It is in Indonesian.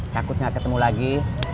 takut gak ketemu lagi